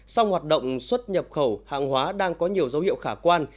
sau hoạt động xuất nhập khẩu hạng hóa đang có nhiều dấu hiệu khả quan